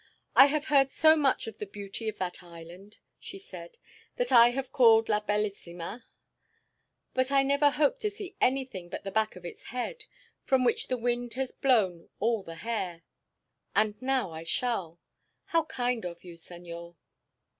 "I have heard so much of the beauty of that island," she said, "that I have called it La Bellissima, but I never hoped to see anything but the back of its head, from which the wind has blown all the hair. And now I shall. How kind of you, senor!"